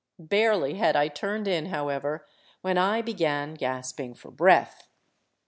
Barely had I turned in, however, when I began gasping for breath.